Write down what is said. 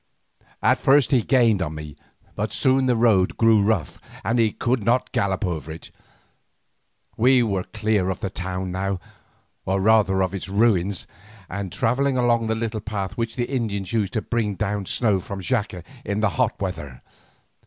At first he gained on me, but soon the road grew rough, and he could not gallop over it. We were clear of the town now, or rather of its ruins, and travelling along a little path which the Indians used to bring down snow from Xaca in the hot weather.